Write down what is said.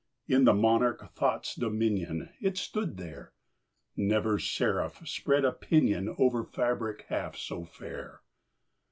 In the monarch Thought's dominion It stood there! Never seraph spread a pinion Over fabric half so fair!